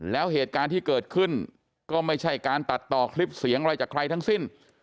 แล้วเหตุการณ์ที่เกิดขึ้นก็ไม่ใช่การตัดต่อคลิปเสียงอะไรจากใครทั้งสิ้น